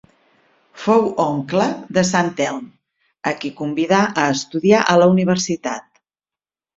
Fou oncle de Sant Telm, a qui convidà a estudiar a la universitat.